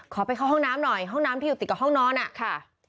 ไปเข้าห้องน้ำหน่อยห้องน้ำที่อยู่ติดกับห้องนอนอ่ะค่ะ